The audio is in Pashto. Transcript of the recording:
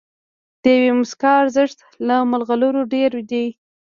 د یوې موسکا ارزښت له مرغلرو ډېر دی.